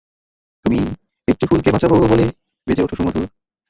তুমি একটি ফুলকে বাঁচাবো বলে বেজে উঠ সুমধুর।